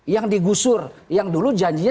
yang digusur yang dulu janjinya